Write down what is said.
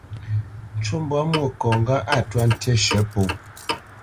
Ncú mbwǎ Mwôkɔ̌ ŋgâʼ a twá ntí shə̌ pó.